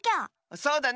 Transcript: そうだね。